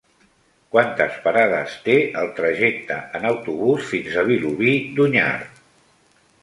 Quantes parades té el trajecte en autobús fins a Vilobí d'Onyar?